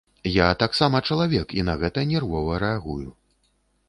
Я таксама чалавек і на гэта нервова рэагую.